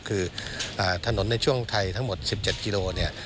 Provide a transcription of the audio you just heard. คือถนนในช่วงไทยทั้งหมด๑๗กิโลเนี่ย